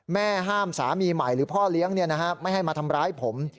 แม่ห้ามสามีใหม่หรือพ่อเลี้ยงไม่ให้มาทำร้ายผม